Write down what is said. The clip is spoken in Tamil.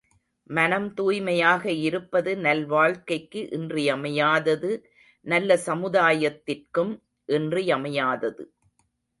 மனம் தூய்மையாக இருப்பது நல்வாழ்க்கைக்கு இன்றியமையாதது நல்ல சமுதாயத்திற்கும் இன்றியமையாதது.